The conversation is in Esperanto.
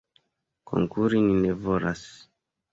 Konkuri ni ne volas.